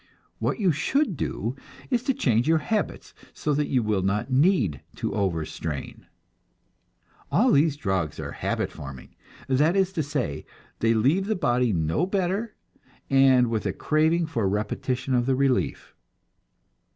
What you should do is to change your habits so that you will not need to over strain. All these drugs are habit forming; that is to say, they leave the body no better, and with a craving for a repetition of the relief.